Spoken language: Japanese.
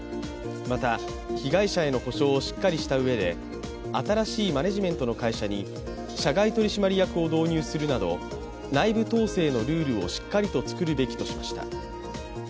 また、被害者への補償をしっかりしたうえで、新しいマネジメントの会社に社外取締役を導入するなど、内部統制のルールをしっかりと作るべきとしました。